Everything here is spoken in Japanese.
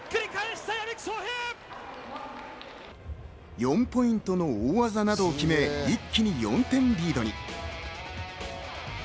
４ポイントの大技などを決め、一気に４点リードに。